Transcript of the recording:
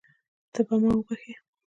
ته به ما وبښې.